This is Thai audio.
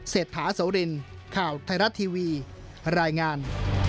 เศรษฐาโสรินข่าวไทยรัฐทีวีรายงาน